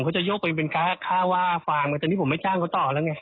จะโยกไปเป็นค่าว่าฟาร์มตอนนี้ผมไม่จ้างเขาต่อแล้วไง